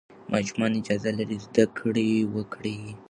ماشومان اجازه لري زده کړه وکړي.